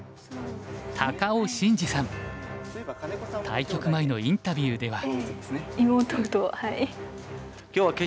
対局前のインタビューでは。